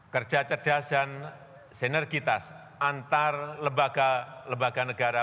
kerja cerdas dan sinergitas antar lembaga lembaga negara